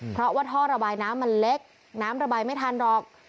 เพราะว่าท่อระบายน้ำมันเล็กน้ำระบายไม่ทันหรอก